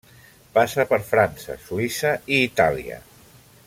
Passa per França, Suïssa i Itàlia.